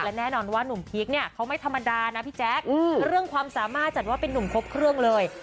และแน่นอนว่านุ่มพีคเนี่ยเขาไม่ธรรมดานะพี่แจ๊คเรื่องความสามารถจัดว่าเป็นนุ่มครบเครื่องเลย